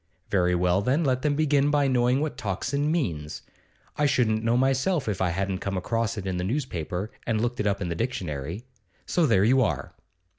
Very well, then let them begin by knowing what Tocsin means. I shouldn't know myself if I hadn't come across it in the newspaper and looked it up in the dictionary; so there you are!